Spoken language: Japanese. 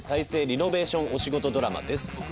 リノベーションお仕事ドラマです。